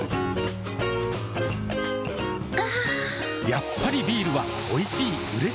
やっぱりビールはおいしい、うれしい。